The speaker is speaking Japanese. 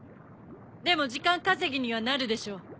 でも時間稼ぎにはなるでしょう。